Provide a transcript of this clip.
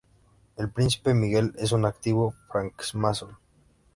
El príncipe Miguel es un activo francmasón.